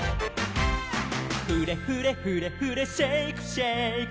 「フレフレフレフレシェイクシェイク」